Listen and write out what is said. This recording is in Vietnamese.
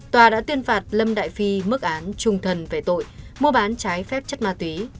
tòa đã tuyên phạt lâm đại phi mức án trung thần về tội mua bán trái phép chất ma túy